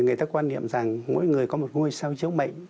người ta quan niệm rằng mỗi người có một ngôi sao chếu mệnh